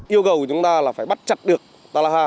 yêu cầu của chúng ta là phải bắt chặt được tà la ha